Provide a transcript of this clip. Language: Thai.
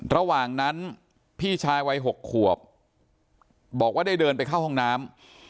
ระหว่างนั้นพี่ชายวัย๖ขวบบอกว่าได้เดินไปเข้าห้องน้ำ